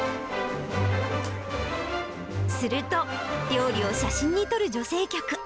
すると、料理を写真に撮る女性客。